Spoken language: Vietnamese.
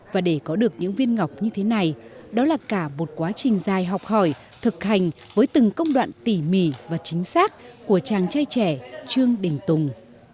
và để có được những viên ngọc như thế này đó là cả một quá trình dài học hỏi thực hành với từng công đoạn tỉ mỉ và chính xác của chàng trai trẻ trương đình tùng